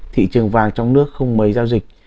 thị trường vàng trong nước không mấy giao dịch